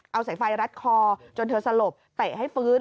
เอาสายไฟรัดคอจนเธอสลบเตะให้ฟื้น